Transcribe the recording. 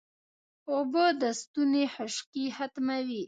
اوبه د ستوني خشکي ختموي